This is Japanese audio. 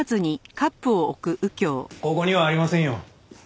ここにはありませんよ。